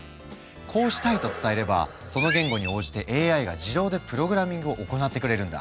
こうしたいと伝えればその言語に応じてＡＩが自動でプログラミングを行ってくれるんだ。